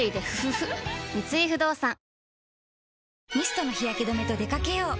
三井不動産ミストの日焼け止めと出掛けよう。